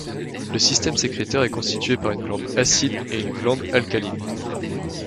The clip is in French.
Le système sécréteur est constitué par une glande acide et une glande alcaline.